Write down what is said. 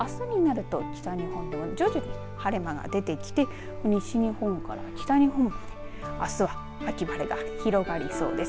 あすになると北日本では徐々に晴れ間が出てきて西日本から北日本あすは秋晴れが広がりそうです。